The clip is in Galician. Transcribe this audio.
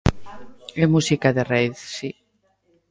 É música de raíz, si.